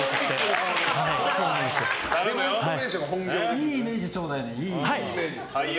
いいイメージちょうだいね。